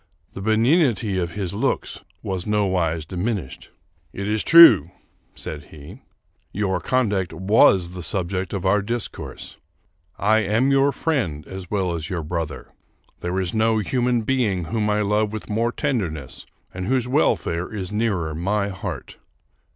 The benignity of his looks was nowise diminished. " It is true," said he, " your conduct was the subject of our discourse. I am your friend as well as your brother. There is no human being whom I love with more tender ness and whose welfare is nearer my heart.